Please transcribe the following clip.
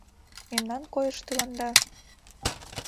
Мемнан койыш тыланда?